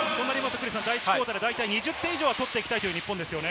第１クオーターで２０点以上は取っていきたい日本ですね。